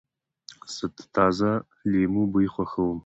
زه د تازه لیمو بوی خوښوم.